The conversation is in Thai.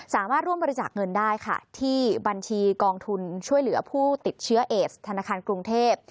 สามารถร่วมบริจาคเงินได้ค่ะที่บัญชีกองทุนช่วยเหลือผู้ติดเชื้อเอสธนาคารกรุงเทพ